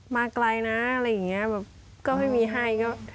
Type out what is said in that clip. มาไกลนะอะไรอย่างนี้แบบก็ไม่มีให้ก็